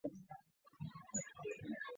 葛兰素史克股份有限公司。